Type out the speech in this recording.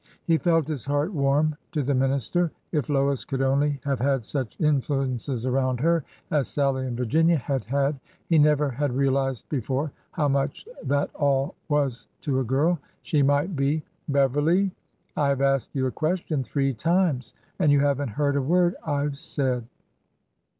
He felt his heart warm to the minister. If Lois could only have had such influences around her as Sallie and Vir ginia had had,— he never had realized before how much that all was to a girl,— she might be— '' Beverly, I have asked you a question three times, and you have n't heard a word I 've said